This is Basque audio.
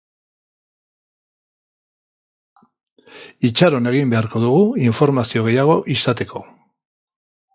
Itxaron egin beharko dugu informazio gehiago izateko.